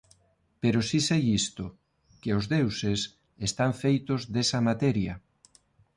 Pero si sei isto: que os deuses están feitos desa materia.